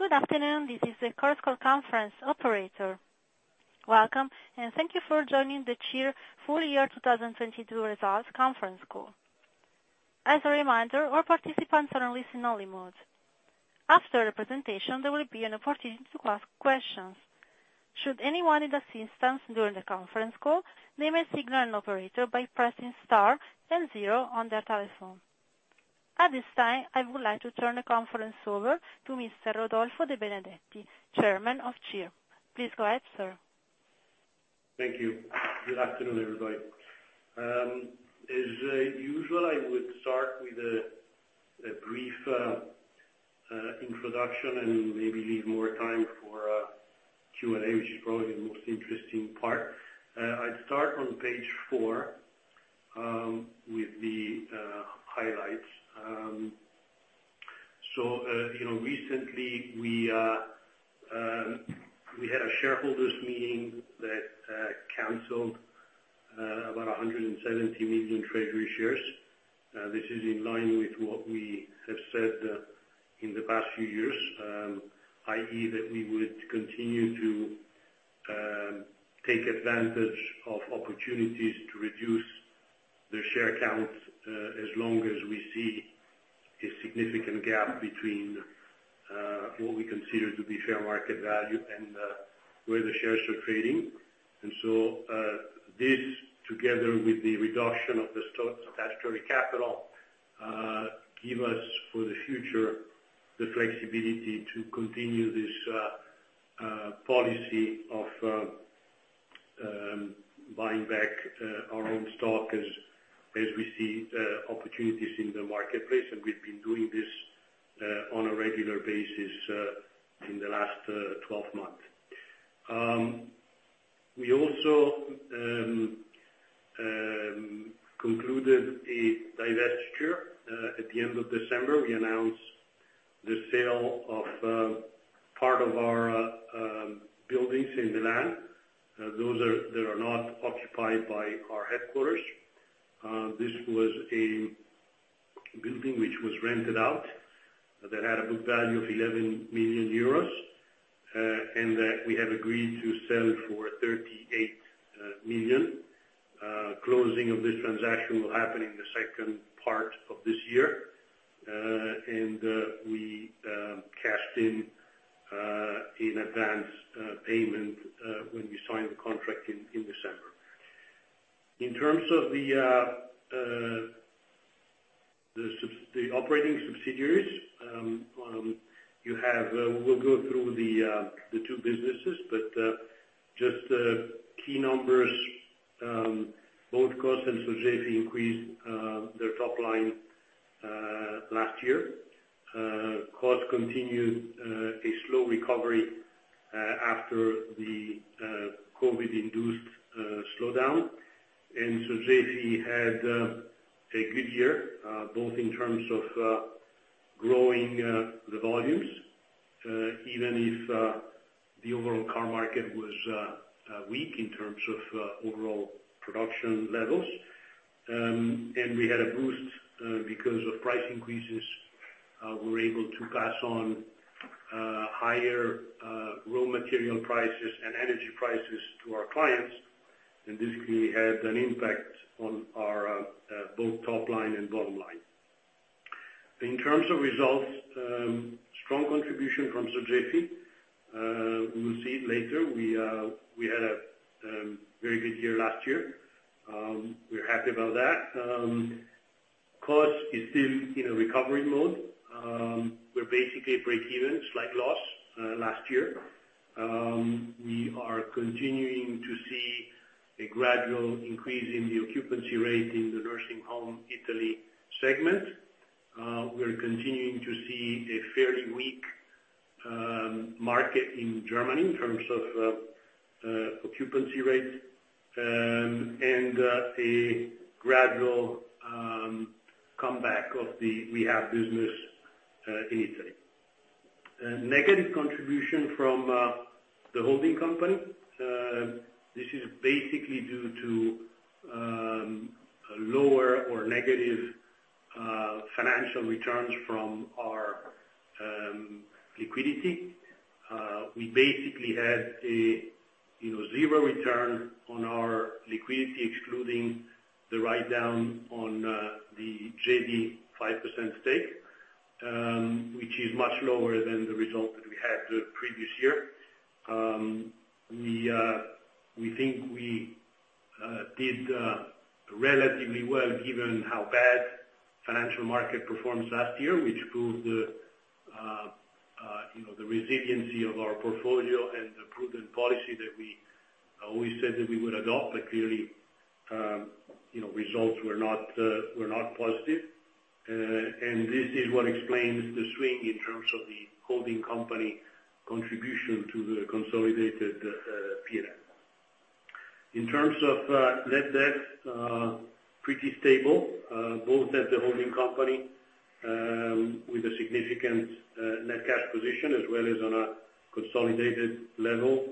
Good afternoon, this is the Chorus Call Conference Operator. Welcome, and thank you for joining the CIR full year 2022 results conference call. As a reminder, all participants are in listen only mode. After the presentation, there will be an opportunity to ask questions. Should anyone need assistance during the conference call, they may signal an operator by pressing star and zero on their telephone. At this time, I would like to turn the conference over to Mr. Rodolfo De Benedetti, Chairman of CIR. Please go ahead, sir. Thank you. Good afternoon, everybody. As usual, I would start with a brief introduction and maybe leave more time for Q&A, which is probably the most interesting part. I'd start on page page with the highlights. You know, recently we had a shareholders meeting that canceled about 170 million treasury shares. This is in line with what we have said in the past few years, i.e., that we would continue to take advantage of opportunities to reduce the share count as long as we see a significant gap between what we consider to be fair market value and where the shares are trading. This, together with the reduction of the statutory capital, give us, for the future, the flexibility to continue this policy of buying back our own stock as we see opportunities in the marketplace, and we've been doing this on a regular basis in the last 12 months. We also concluded a divestiture. At the end of December, we announced the sale of part of our buildings in Milan. That are not occupied by our headquarters. This was a building which was rented out that had a book value of 11 million euros and that we have agreed to sell for 38 million. Closing of this transaction will happen in the second part of this year. We cashed in in advance payment when we signed the contract in December. In terms of the operating subsidiaries, you have we'll go through the two businesses, but just key numbers. Both KOS and Sogefi increased their top line last year. KOS continued a slow recovery after the COVID induced slowdown. Sogefi had a good year both in terms of growing the volumes even if the overall car market was weak in terms of overall production levels. We had a boost because of price increases. We were able to pass on higher raw material prices and energy prices to our clients, and this clearly had an impact on our both top line and bottom line. In terms of results, strong contribution from Sogefi. We will see it later. We had a very good year last year. We're happy about that. KOS is still in a recovery mode. We're basically breakeven, slight loss last year. We are continuing to see a gradual increase in the occupancy rate in the nursing home Italy segment. We're continuing to see a fairly weak market in Germany in terms of occupancy rates, and a gradual comeback of the rehab business in Italy. Negative contribution from the holding company. This is basically due to lower or negative financial returns from our liquidity. We basically had a, you know, zero return on our liquidity, excluding the write down on the JD 5% stake, which is much lower than the result that we had the previous year. We think we did relatively well, given how bad financial market performed last year, which proved the, you know, the resiliency of our portfolio and the prudent policy that we always said that we would adopt. Clearly, you know, results were not positive. This is what explains the swing in terms of the holding company contribution to the consolidated P&L. In terms of net debt, pretty stable, both at the holding company, with a significant net cash position as well as on a consolidated level,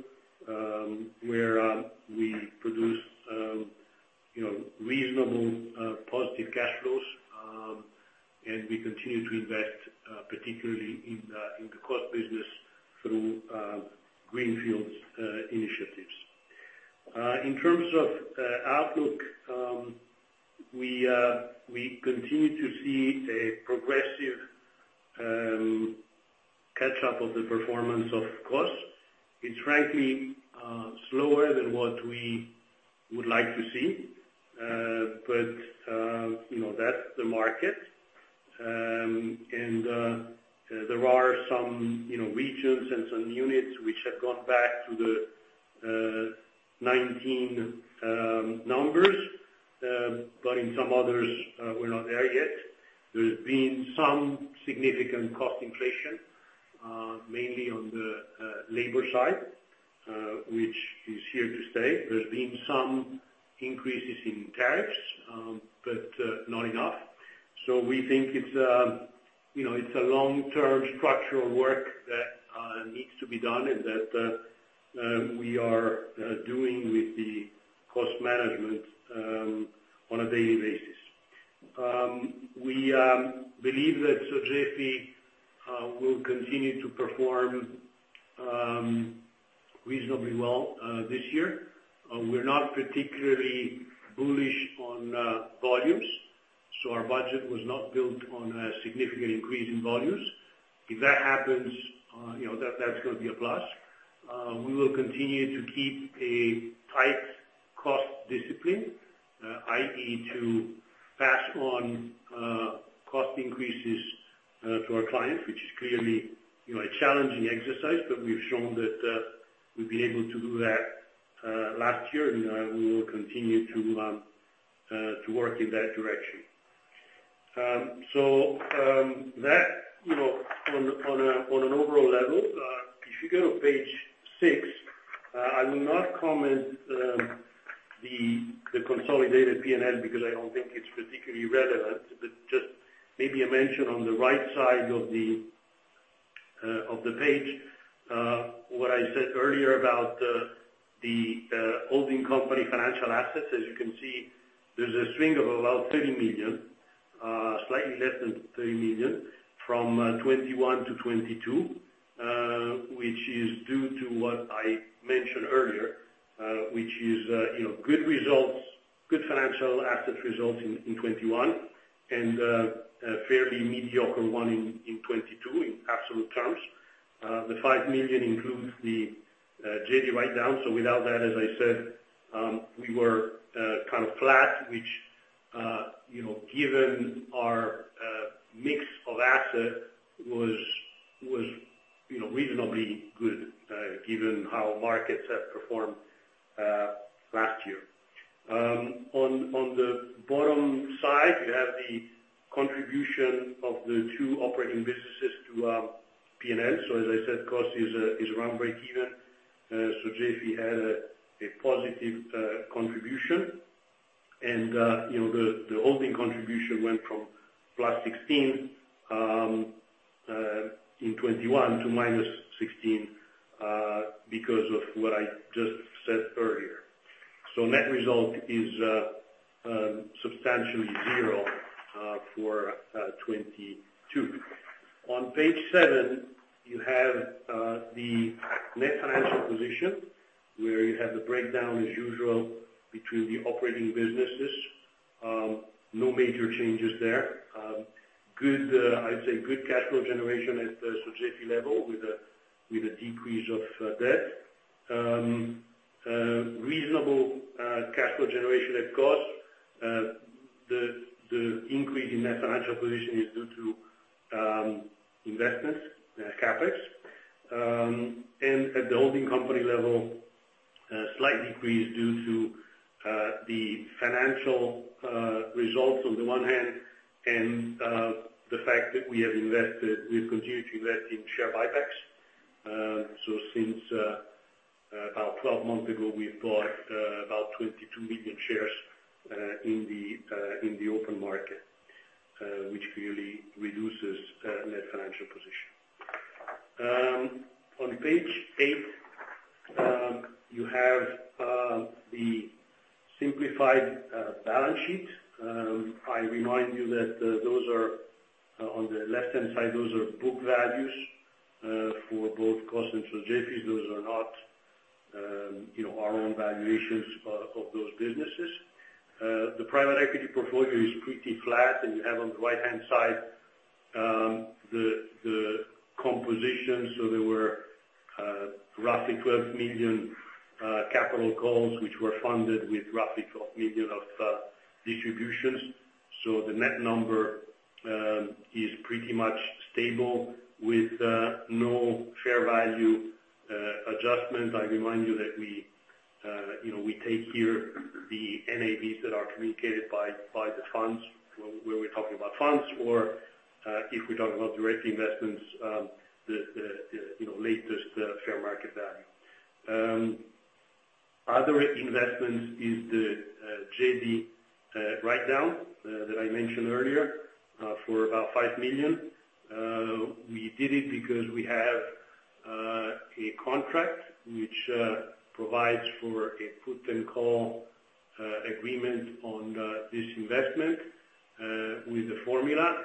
where we produced, you know, reasonable positive cash flows. We continue to invest, particularly in the KOS business through greenfields initiatives. In terms of outlook, we continue to see a progressive catch-up of the performance of KOS. It's frankly slower than what we would like to see. You know, that's the market. There are some, you know, regions and some units which have gone back to the 2019 numbers, but in some others, we're not there yet. There's been some significant cost inflation, mainly on the labor side, which is here to stay. There's been some increases in tariffs, but not enough. We think it's, you know, it's a long-term structural work that needs to be done and that we are doing with the cost management on a daily basis. We believe that Sogefi will continue to perform reasonably well this year. We're not particularly bullish on volumes, so our budget was not built on a significant increase in volumes. If that happens, you know, that's gonna be a plus. We will continue to keep a tight cost discipline, i.e., to pass on cost increases to our clients, which is clearly, you know, a challenging exercise, but we've shown that we've been able to do that last year, and we will continue to work in that direction. That, you know, on a, on an overall level, if you go to page six, I will not comment the consolidated P&L because I don't think it's particularly relevant, but just maybe a mention on the right side of the page, what I said earlier about the holding company financial assets. As you can see, there's a swing of about 30 million, slightly less than 30 million from 2021 to 2022, which is due to what I mentioned earlier, which is, you know, good results, good financial assets results in 2021 and a fairly mediocre one in 2022 in absolute terms. The 5 million includes the JD write-down. Without that, as I said, we were kind of flat which, you know, given our mix of asset was, you know, reasonably good, given how markets have performed last year. On, on the bottom side, you have the contribution of the two operating businesses to P&L. As I said, KOS is around breakeven. Sogefi had a positive contribution. You know, the holding contribution went from +16 in 2021 to -16 because of what I just said earlier. net result is substantially zero for 2022. On page seven, you have the net financial position, where you have the breakdown as usual between the operating businesses. No major changes there. good, I'd say good cash flow generation at the Sogefi level with a decrease of debt. reasonable cash flow generation at KOS. the increase in net financial position is due to investments, CapEx. at the holding company level, a slight decrease due to the financial results on the one hand and the fact that we have invested, we've continued to invest in share buybacks. Since about 12 months ago, we've bought about 22 million shares in the open market, which really reduces net financial position. On page eight, you have the simplified balance sheet. I remind you that those are on the left-hand side, those are book values for both KOS and Sogefi. Those are not, you know, our own valuations of those businesses. The private equity portfolio is pretty flat, and you have on the right-hand side the composition. There were roughly 12 million capital calls, which were funded with roughly 12 million of distributions. The net number is pretty much stable with no fair value adjustment. I remind you that we, you know, we take here the NAVs that are communicated by the funds when we're talking about funds or if we're talking about direct investments, the, you know, latest fair market value. Other investments is the JD write down that I mentioned earlier for about 5 million. We did it because we have a contract which provides for a put and call agreement on this investment with the formula.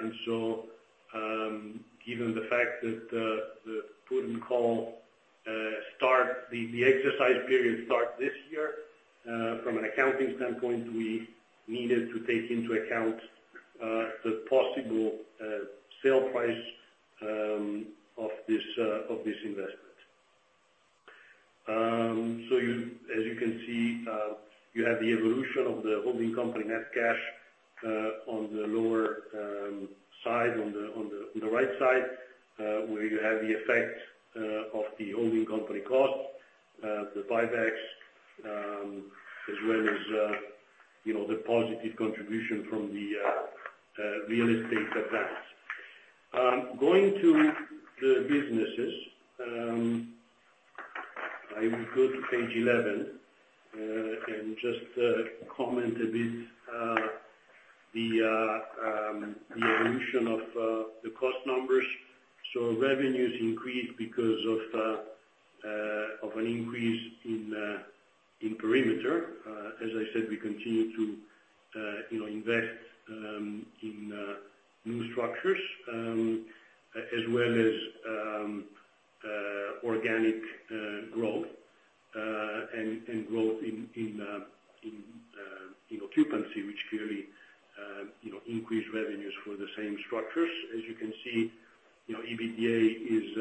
Given the fact that the put and call start the exercise period starts this year, from an accounting standpoint, we needed to take into account the possible sale price of this investment. As you can see, you have the evolution of the holding company net cash on the lower side on the right side, where you have the effect of the holding company costs, the buybacks, as well as, you know, the positive contribution from the real estate events. Going to the businesses, I will go to page 11 and just comment a bit the evolution of the cost numbers. Revenues increased because of an increase in perimeter. As I said, we continue to, you know, invest in new structures, as well as organic growth, and growth in occupancy, which clearly, you know, increased revenues for the same structures. As you can see, you know, EBITDA is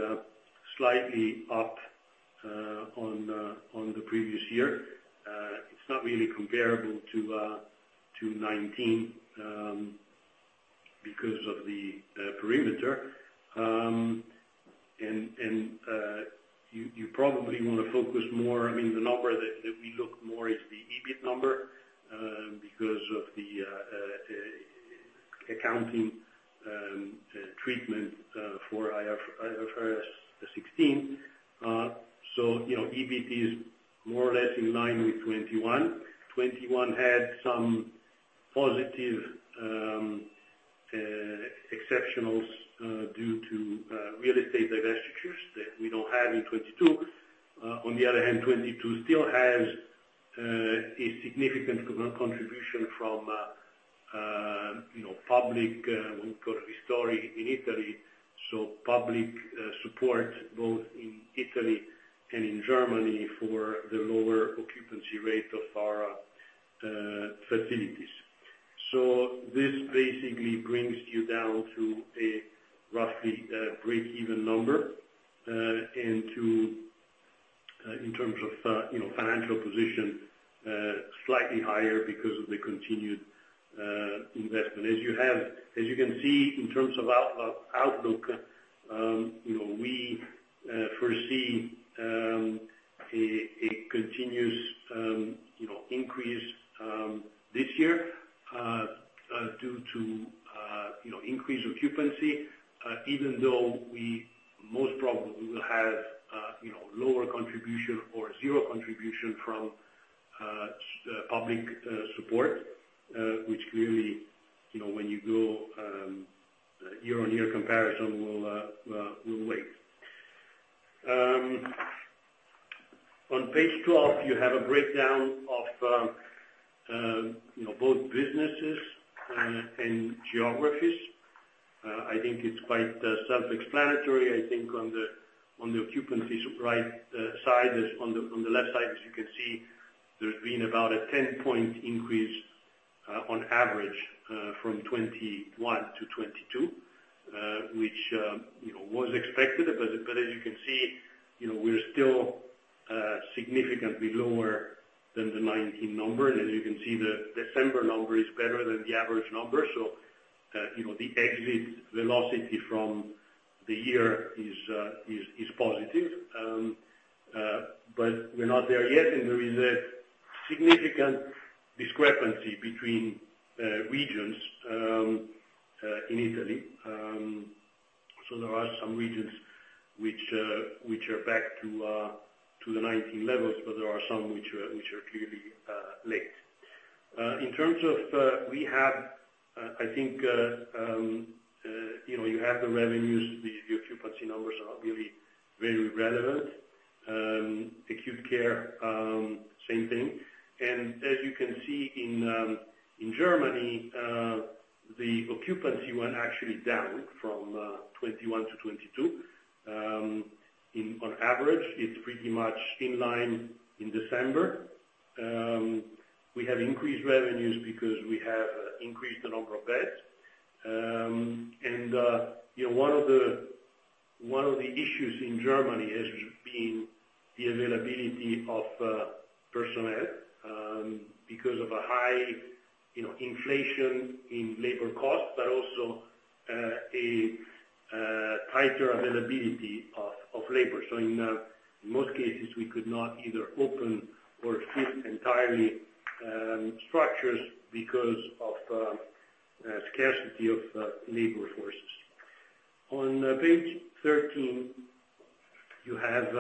slightly up on the previous year. It's not really comparable to 2019 because of the perimeter. And you probably want to focus more, I mean, the number that we look more is the EBIT number, because of the accounting treatment for IFRS 16. So, you know, EBIT is more or less in line with 2021. 2021 had some positive exceptionals due to real estate divestitures that we don't have in 2022. On the other hand, 22 still has a significant contribution from, you know, public, we call it Ristori in Italy, so public support both in Italy and in Germany for the lower occupancy rate of our facilities. This basically brings you down to a roughly breakeven number, into, in terms of, you know, financial position, slightly higher because of the continued investment. As you can see in terms of outlook, you know, we foresee a continuous, you know, increase this year due to, you know, increased occupancy, even though we most probably will have, you know, lower contribution or zero contribution from public support, which clearly, you know, when you go year-on-year comparison will wait. On page 12 you have a breakdown of, you know, both businesses and geographies. I think it's quite self-explanatory. I think on the, on the occupancy right side, as on the, on the left side, as you can see, there's been about a 10-point increase on average from 21 to 22, which, you know, was expected. As you can see, you know, we're still significantly lower than the 19 number. As you can see, the December number is better than the average number. You know, the exit velocity from the year is positive. We're not there yet. There is a significant discrepancy between regions in Italy. There are some regions which are back to the 19 levels, but there are some which are clearly late. In terms of, we have, I think, you know, you have the revenues, the occupancy numbers are really very relevant. Acute care, same thing. As you can see in Germany, the occupancy went actually down from 21 to 22. In on average, it's pretty much in line in December. We have increased revenues because we have increased the number of beds. You know, one of the issues in Germany has been the availability of personnel, because of a high, you know, inflation in labor costs, but also a tighter availability of labor. In most cases, we could not either open or fit entirely structures because of scarcity of labor forces. On page 13, you have,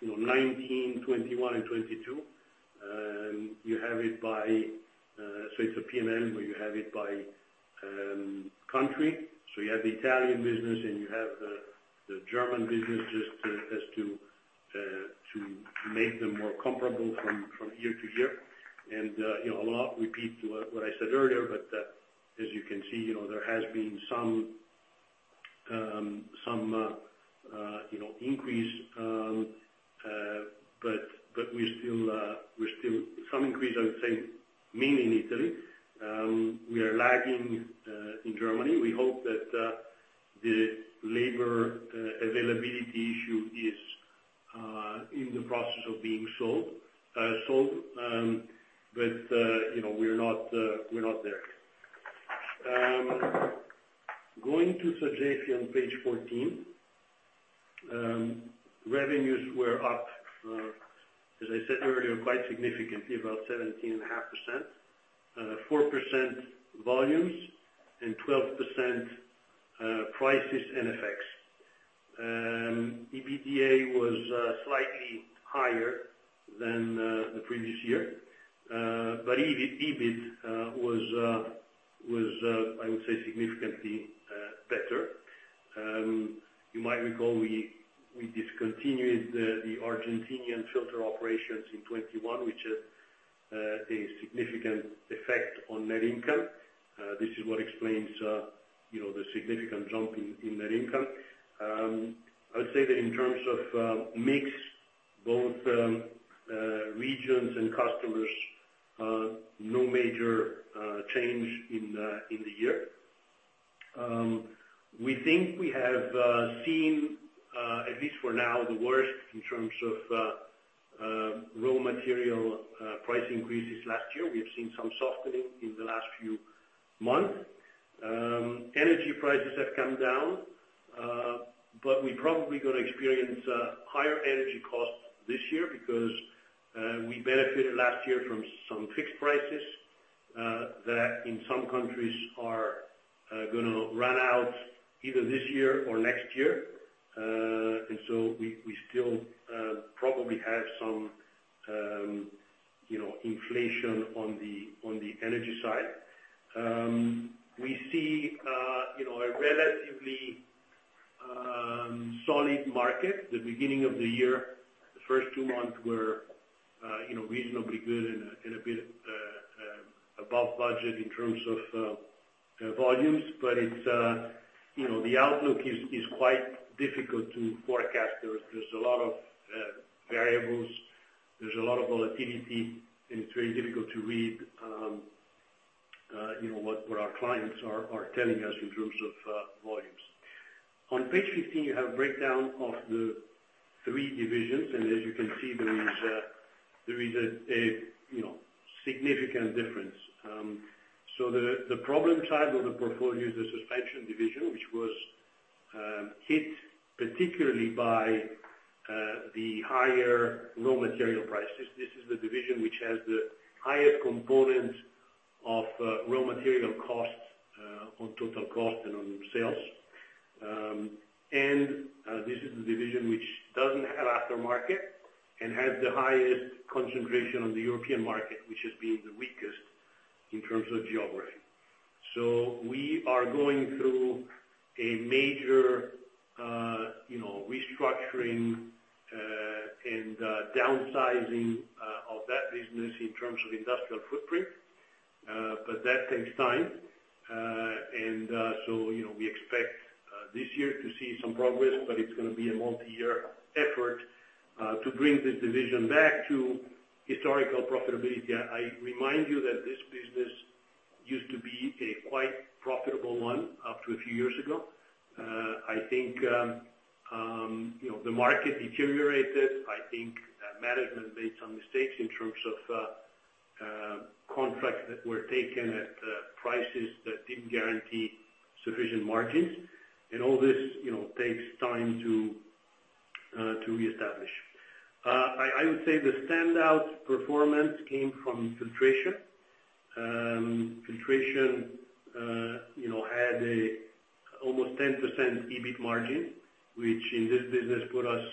you know, 19, 21 and 22. You have it by, so it's a P&L, you have it by country. You have the Italian business and you have the German business just as to make them more comparable from year to year. You know, a lot repeat to what I said earlier. As you can see, you know, there has been some, you know, increase, but we're still. Some increase, I would say, mainly in Italy. We are lagging in Germany. We hope that the labor availability issue is in the process of being solved. You know, we're not, we're not there. Going to Sogefi on page 14. Revenues were up, as I said earlier, quite significantly, about 17.5%. 4% volumes and 12% prices and effects. EBITDA was slightly higher than the previous year. EBIT was, I would say significantly better. You might recall, we discontinued the Argentinian filter operations in 2021, which had a significant effect on net income. This is what explains, you know, the significant jump in net income. I would say that in terms of mix, both regions and customers, no major change in the year. We think we have seen, at least for now, the worst in terms of raw material price increases last year. We have seen some softening in the last few months. Energy prices have come down, but we probably gonna experience higher energy costs this year because we benefited last year from some fixed prices that in some countries are gonna run out either this year or next year. We, we still, probably have some, you know, inflation on the, on the energy side. We see, you know, a relatively solid market. The beginning of the year, the first two months were, you know, reasonably good and a, and a bit above budget in terms of volumes. It's, you know, the outlook is quite difficult to forecast. There's a lot of variables. There's a lot of volatility, and it's very difficult to read, you know, what our clients are telling us in terms of volumes. On page 15, you have a breakdown of the three divisions, and as you can see, there is a, you know, significant difference. The problem side of the portfolio is the suspension division, which was hit particularly by the higher raw material prices. This is the division which has the highest component of raw material costs on total cost and on sales. This is the division which doesn't have aftermarket and has the highest concentration on the European market, which has been the weakest in terms of geography. We are going through a major, you know, restructuring and downsizing of that business in terms of industrial footprint, but that takes time. You know, we expect this year to see some progress, but it's gonna be a multi-year effort to bring this division back to historical profitability. I remind you that this business used to be a quite profitable one up to a few years ago. I think, you know, the market deteriorated. I think, management made some mistakes in terms of contracts that were taken at prices that didn't guarantee sufficient margins. All this, you know, takes time to reestablish. I would say the standout performance came from filtration. Filtration, you know, had a almost 10% EBIT margin, which in this business put us,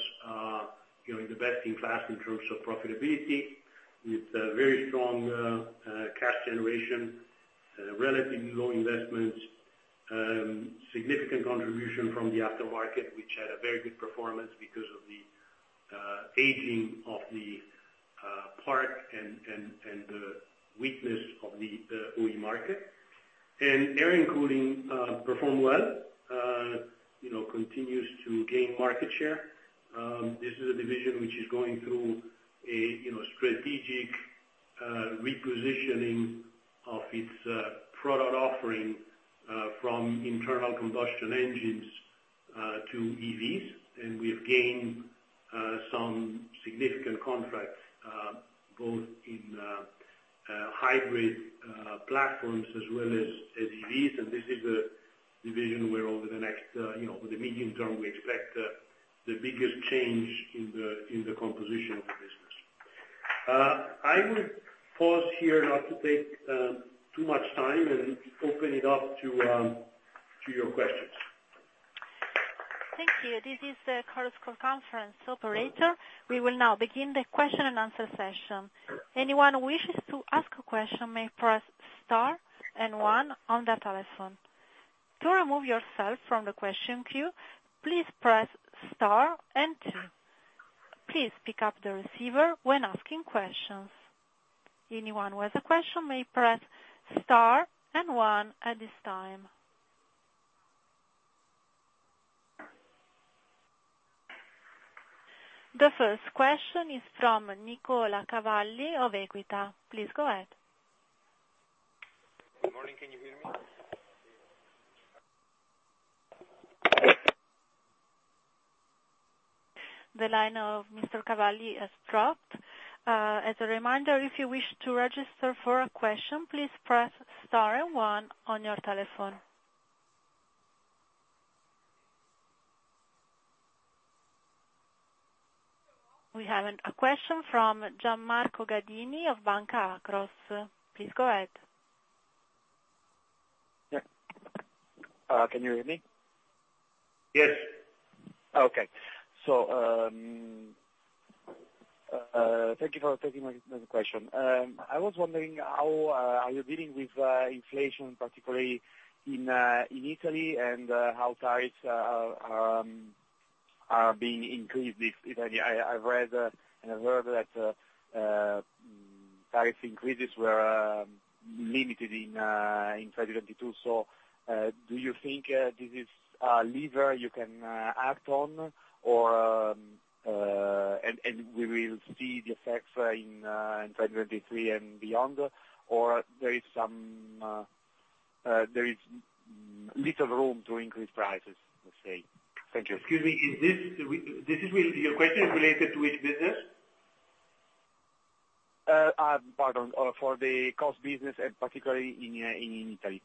you know, in the best in class in terms of profitability with a very strong cash generation, relatively low investments, significant contribution from the aftermarket, which had a very good performance because of the aging of the part and the weakness of the OE market. Air cooling performed well. You know, continues to gain market share. This is a division which is going through a, you know, strategic repositioning of its product offering from internal combustion engines to EVs. We have gained some significant contracts both in hybrid platforms as well as EVs. This is a division where over the next, you know, over the medium term, we expect the biggest change in the composition of the business. I would pause here not to take too much time and open it up to your questions. Thank you. This is the Chorus Call Conference Operator. We will now begin the question and answer session. Anyone who wishes to ask a question may press Star and one on their telephone. To remove yourself from the question queue, please press Star and two. Please pick up the receiver when asking questions. Anyone who has a question may press Star and one at this time. The first question is from Nicola Cavalli of Equita. Please go ahead. Good morning. Can you hear me? The line of Mr. Cavalli has dropped. As a reminder, if you wish to register for a question, please press Star and One on your telephone. We have a question from Gian Marco Gadini of Banca Akros. Please go ahead. Yeah. Can you hear me? Yes. Okay. Thank you for taking my question. I was wondering how are you dealing with inflation, particularly in Italy and how tariffs are being increased if any. I've read and I've heard that price increases were limited in 2022. Do you think this is a lever you can act on or we will see the effects in 2023 and beyond or there is little room to increase prices, let's say? Thank you. Excuse me, is this related? Your question is related to which business? Pardon. For the cost business and particularly in Italy.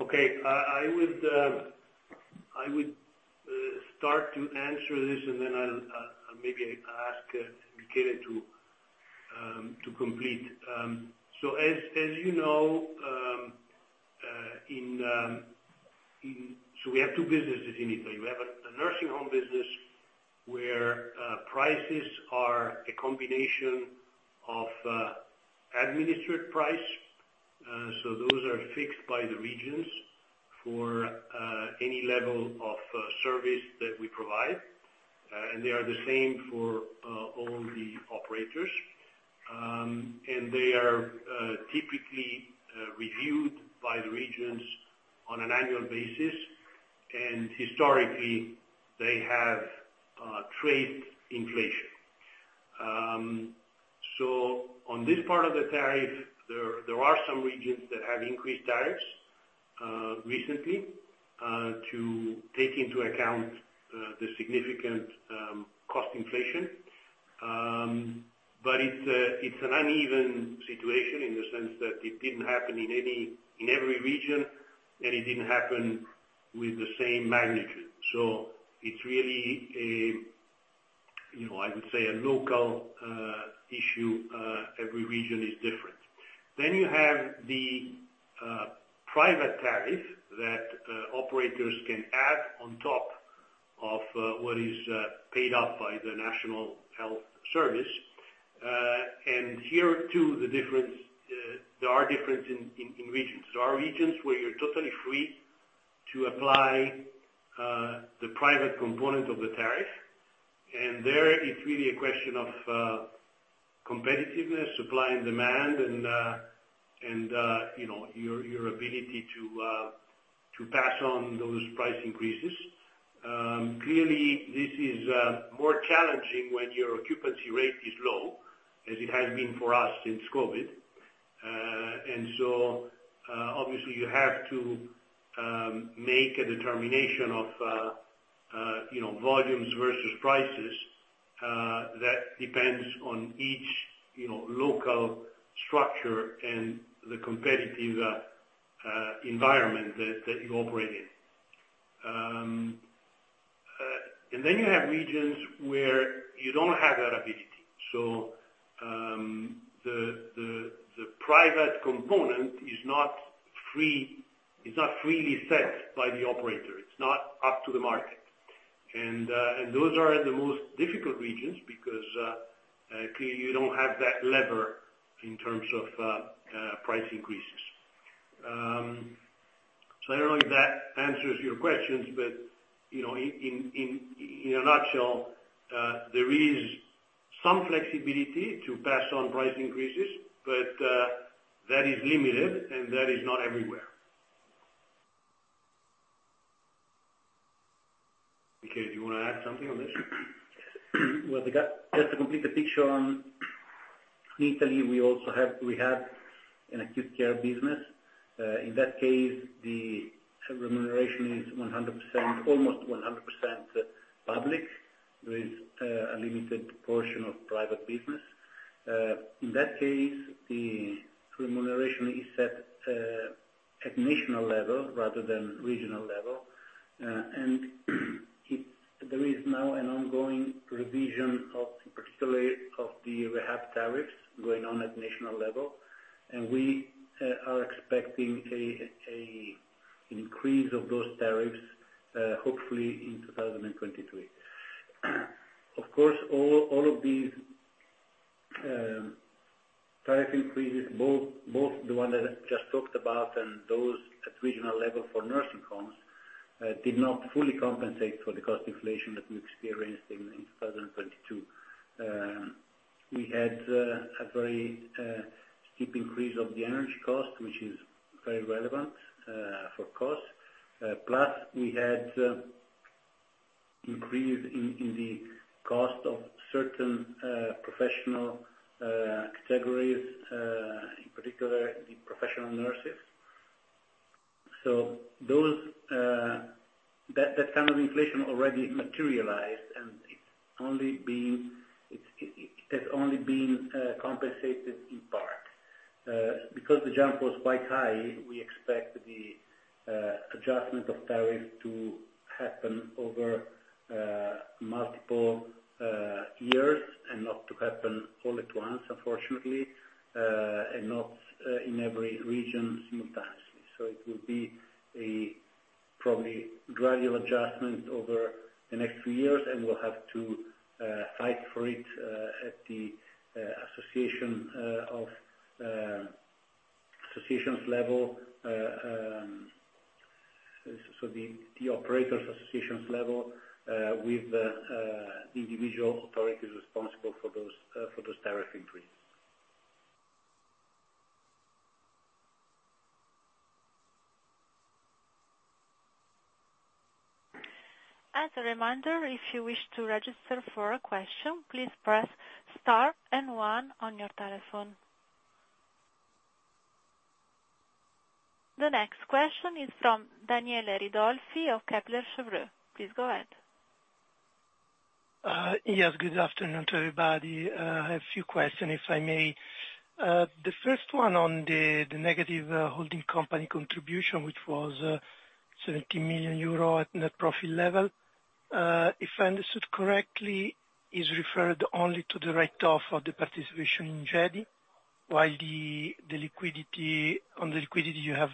Okay. I would start to answer this and then I'll maybe ask Michele to complete. As you know, in Italy, we have two businesses. We have a nursing home business where prices are a combination of administered price. Those are fixed by the regions for any level of service that we provide. They are the same for all the operators. They are typically reviewed by the regions on an annual basis. Historically, they have trade inflation. On this part of the tariff, there are some regions that have increased tariffs recently to take into account the significant cost inflation. It's an uneven situation in the sense that it didn't happen in any, in every region, and it didn't happen with the same magnitude. It's really a, you know, I would say a local issue. Every region is different. You have the private tariff that operators can add on top of what is paid up by the National Health Service. Here too, the difference, there are difference in regions. There are regions where you're totally free to apply the private component of the tariff. There it's really a question of competitiveness, supply and demand, and, you know, your ability to pass on those price increases. Clearly this is more challenging when your occupancy rate is low, as it has been for us since COVID. Obviously you have to make a determination of, you know, volumes versus prices, that depends on each, you know, local structure and the competitive environment that you operate in. You have regions where you don't have that ability. The, the private component is not free, is not freely set by the operator. It's not up to the market. Those are the most difficult regions because you don't have that lever in terms of price increases. I don't know if that answers your questions, but, you know, in a nutshell, there is some flexibility to pass on price increases, but that is limited, and that is not everywhere. Michele, do you wanna add something on this? Well, just to complete the picture on Italy, we have an acute care business. In that case, the remuneration is almost 100% public with a limited portion of private business. In that case, the remuneration is set at national level rather than regional level. There is now an ongoing revision of particularly of the rehab tariffs going on at national level, and we are expecting a increase of those tariffs hopefully in 2023. Of course, all of these tariff increases, both the one that I just talked about and those at regional level for nursing homes, did not fully compensate for the cost inflation that we experienced in 2022. We had a very steep increase of the energy cost, which is very relevant for cost. Plus we had increase in the cost of certain professional categories, in particular the professional nurses. That kind of inflation already materialized, and it's only been compensated in part. Because the jump was quite high, we expect the adjustment of tariff to happen over multiple years and not to happen all at once, unfortunately, and not in every region simultaneously. It will be a probably gradual adjustment over the next few years, and we'll have to fight for it at the association of associations level. The operators associations level, with the individual authorities responsible for those, for those tariff increase. As a reminder, if you wish to register for a question, please press star and one on your telephone. The next question is from Daniele Ridolfi of Kepler Cheuvreux. Please go ahead. Yes, good afternoon to everybody. I have a few questions, if I may. The first one on the negative, holding company contribution, which was 70 million euro at net profit level. If I understood correctly, is referred only to the write-off of the participation in GEDI, while on the liquidity you have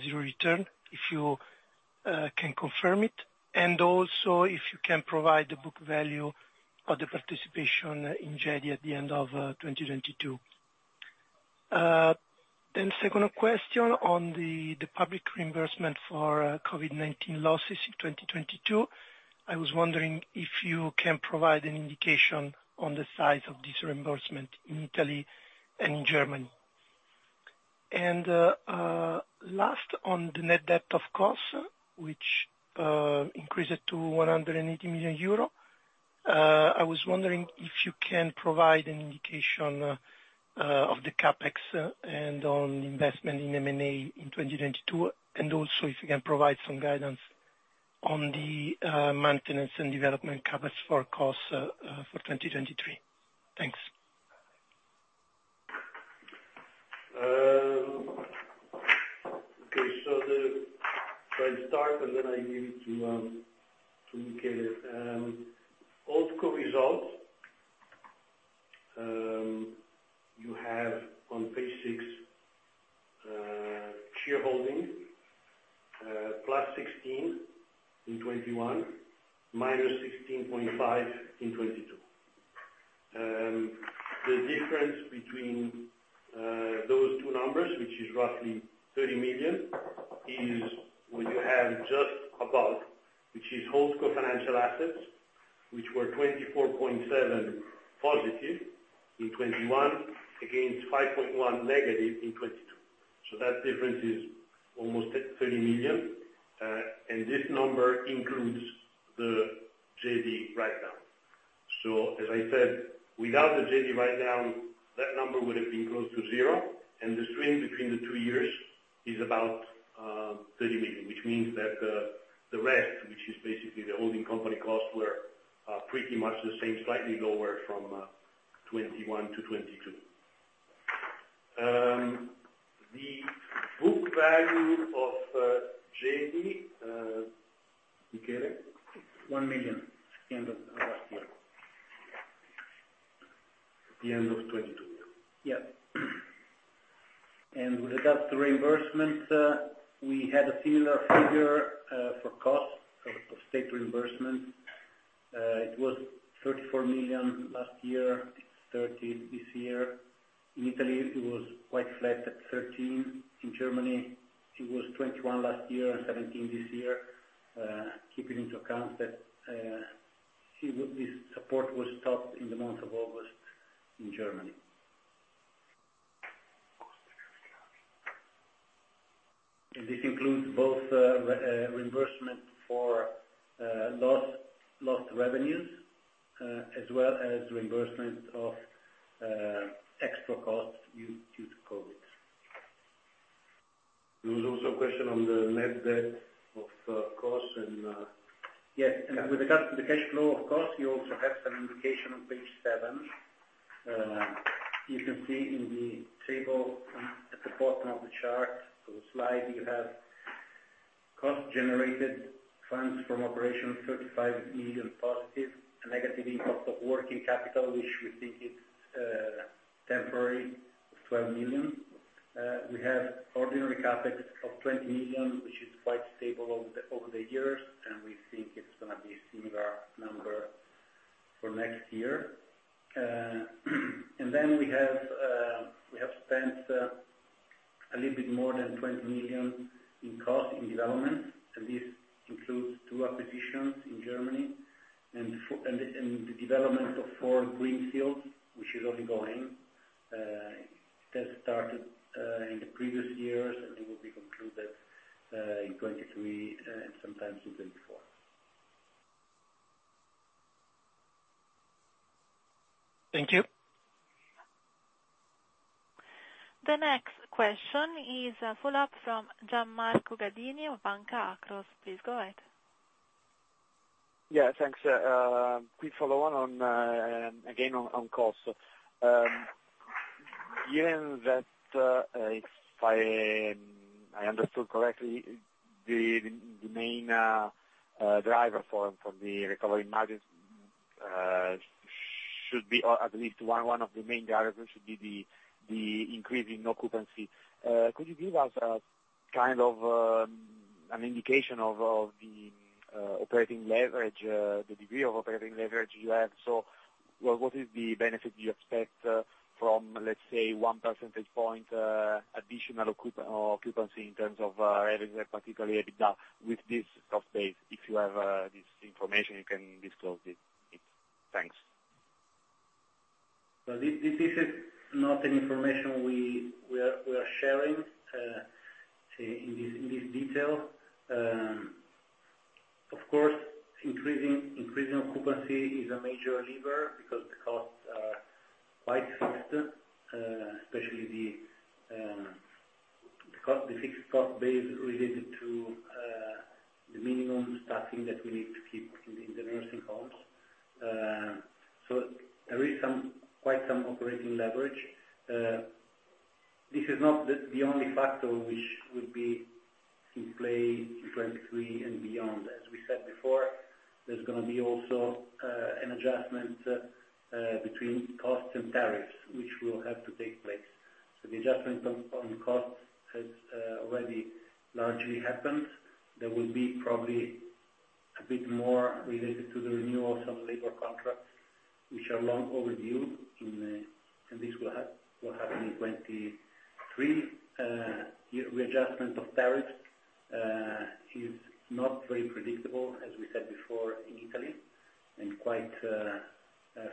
zero return, if you can confirm it, and also if you can provide the book value of the participation in GEDI at the end of 2022. Second question on the public reimbursement for COVID-19 losses in 2022. I was wondering if you can provide an indication on the size of this reimbursement in Italy and in Germany. Last on the net debt of cost, which increased to 180 million euro. I was wondering if you can provide an indication of the CapEx and on investment in M&A in 2022, and also if you can provide some guidance on the maintenance and development CapEx for costs for 2023. Thanks. Okay. I start, and then I give it to Michele. Holdco results, you have on page six, shareholding, +16 in 2021, -16.5 in 2022. The difference between those two numbers, which is roughly 30 million, is what you have just above, which is Holdco financial assets, which were +24.7 in 2021 against -5.1 in 2022. That difference is almost 30 million. And this number includes the Gedi write-down. As I said, without the Gedi write-down, that number would have been close to zero, and the swing between the two years is about 30 million, which means that the rest, which is basically the holding company costs, were pretty much the same, slightly lower from 2021 to 2022. The book value of Gedi, Michele? EUR 1 million at the end of last year. At the end of 2022. Yeah. With regards to reimbursements, we had a similar figure for costs of state reimbursement. It was 34 million last year, 30 million this year. In Italy, it was quite flat at 13 million. In Germany, it was 21 million last year and 17 million this year. Keeping into account that this support was stopped in the month of August in Germany. This includes both reimbursements for lost revenues, as well as reimbursement of extra costs due to COVID. There was also a question on the net debt of costs and. Yes. With regard to the cash flow, of course, you also have some indication on page seven. You can see in the table at the bottom of the chart, so slide, you have cost generated funds from operational 35 million positive. A negative impact of working capital, which we think is temporary, of 12 million. We have ordinary CapEx of 20 million, which is quite stable over the years, and we think it's gonna be a similar number for next year. Then we have spent a little bit more than 20 million in cost in development, and this includes two acquisitions in Germany and the development of four greenfields, which is only going. That started in the previous years, and they will be concluded in 2023 and sometimes in 2024. Thank you. The next question is a follow-up from Gian Marco Gadini of Banca Akros. Please go ahead. Yeah, thanks. Quick follow-on on costs. Given that, if I understood correctly, the main driver for from the recovery margins should be, or at least one of the main drivers should be the increasing occupancy. Could you give us a kind of an indication of the operating leverage, the degree of operating leverage you have? What is the benefit you expect from, let's say, 1 percentage point additional occupancy in terms of revenue, particularly EBITDA with this cost base? If you have this information, you can disclose it, please. Thanks. Well, this is not an information we are sharing, say, in this detail. Of course, increasing occupancy is a major lever because the costs are quite fixed, especially the fixed cost base related to the minimum staffing that we need to keep in the nursing homes. So there is quite some operating leverage. This is not the only factor which will be in play in 2023 and beyond. As we said before, there's going to be also an adjustment between costs and tariffs, which will have to take place. The adjustment on costs has already largely happened. There will be probably a bit more related to the renewal of some labor contracts, which are long overdue, and this will happen in 2023. The readjustment of tariffs is not very predictable, as we said before, in Italy, and quite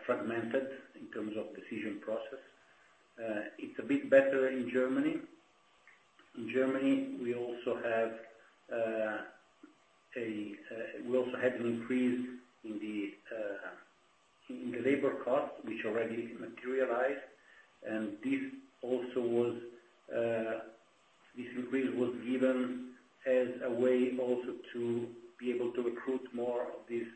fragmented in terms of decision process. It's a bit better in Germany. In Germany, we also had an increase in the labor costs, which already materialized, and this also was, this increase was given as a way also to be able to recruit more of these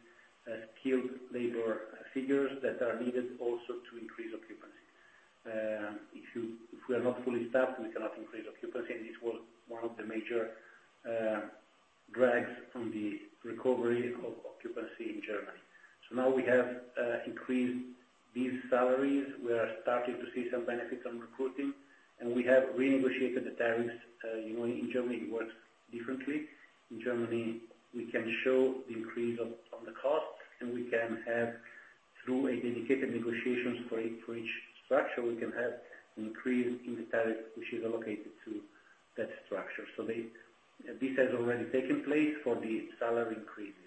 skilled labor figures that are needed also to increase occupancy. If you, if we are not fully staffed, we cannot increase occupancy, and this was one of the major drags on the recovery of occupancy in Germany. Now we have increased these salaries. We are starting to see some benefit on recruiting. We have renegotiated the tariffs. You know, in Germany it works differently. In Germany, we can show the increase of, on the costs, and we can have, through a dedicated negotiations for each structure, we can have an increase in the tariff, which is allocated to that structure. This has already taken place for the salary increases.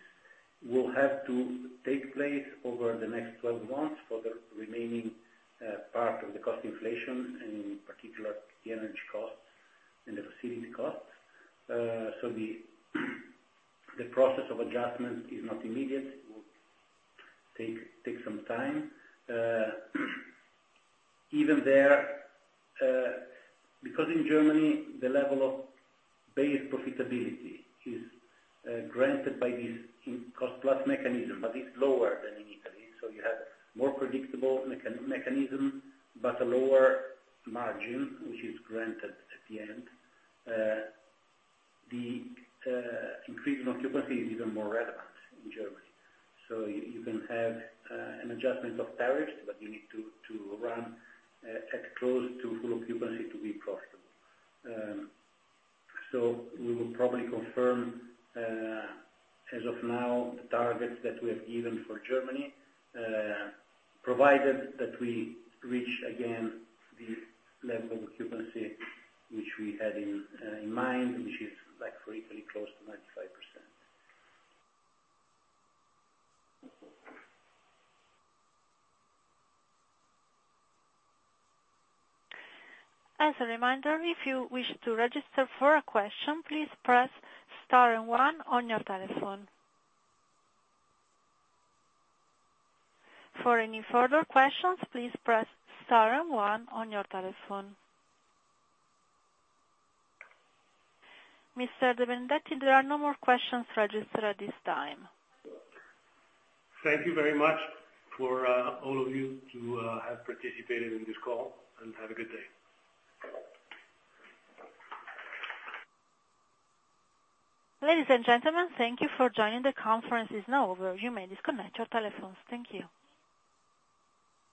Will have to take place over the next 12 months for the remaining part of the cost inflation, and in particular, the energy costs and the facility costs. The process of adjustment is not immediate. It will take some time. Even there, because in Germany the level of base profitability is granted by this in cost-plus mechanism, but it's lower than in Italy, you have more predictable mechanism, but a lower margin, which is granted at the end. The increase in occupancy is even more relevant in Germany. You can have an adjustment of tariffs, but you need to run at close to full occupancy to be profitable. We will probably confirm, as of now, the targets that we have given for Germany, provided that we reach again the level of occupancy which we had in mind, which is like for Italy, close to 95%. As a reminder, if you wish to register for a question, please press star and one on your telephone. For any further questions, please press star and one on your telephone. Mr. De Benedetti, there are no more questions registered at this time. Thank you very much for, all of you to, have participated in this call, and have a good day. Ladies and gentlemen, thank you for joining. The conference is now over. You may disconnect your telephones. Thank you.